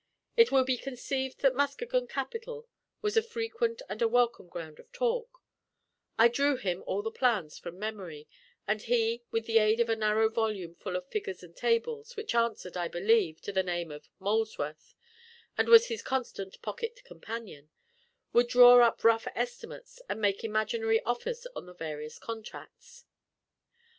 It will be conceived that Muskegon capitol was a frequent and a welcome ground of talk; I drew him all the plans from memory; and he, with the aid of a narrow volume full of figures and tables, which answered (I believe) to the name of Molesworth, and was his constant pocket companion, would draw up rough estimates and make imaginary offers on the various contracts.